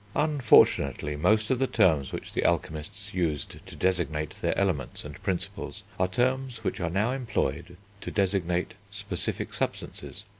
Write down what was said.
Unfortunately, most of the terms which the alchemists used to designate their Elements and Principles are terms which are now employed to designate specific substances.